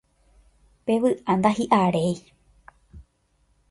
Pe vy'a ndahi'aréi